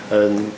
để để mà